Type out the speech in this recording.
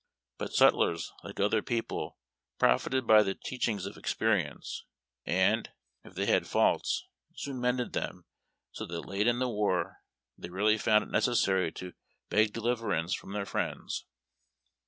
But sutlers, like other people, profited by the teachings of experience, and, if they had faults, soon mended them, so that late in the war they rarely found it necessary to beg deliverance from their friends.